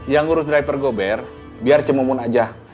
yang ngurus driver gober biar cemomun aja